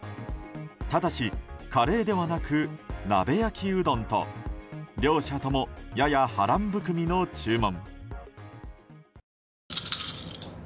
ただし、カレーではなくなべ焼きうどんと両者とも、やや波乱含みの注文。